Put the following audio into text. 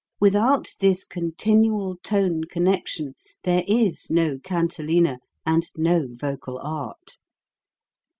Without this continual tone connec tion there is no cantilena and no vocal art.